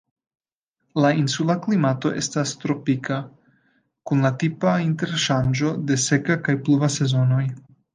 La insula klimato estas tropika, kun la tipa interŝanĝo de seka kaj pluva sezonoj.